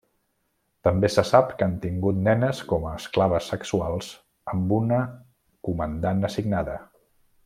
També se sap que han tingut nenes com a esclaves sexuals amb una comandant assignada.